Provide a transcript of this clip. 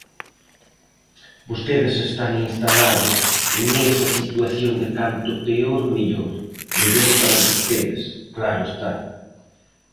Vostedes están instalados nesa situación de canto peor, mellor; mellor para vostedes, claro está.